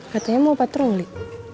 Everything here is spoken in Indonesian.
katanya mau patroli